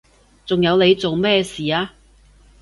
仲有你做咩事啊？